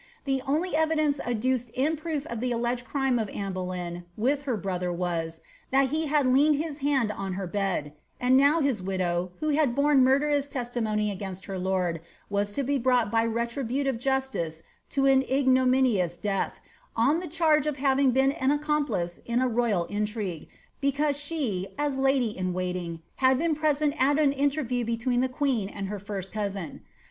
The only evidence adduced in proof of the alleged crime of Anne Boleyn with her brother was, that he had leaned his hand on her bed ; and now his widow, who had borne murderous testimonj against her lord, was to be brought by retributive justice to an ignoni ous death, on a cliarge of having been an accomplice in a royal intngne, because she, as lady in waiting, had been present at an interview be tween the queen and her first cousin.